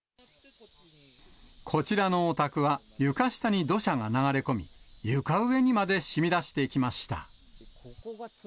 こちらのお宅は床下に土砂が流れ込み、床上にまでしみだしてきました。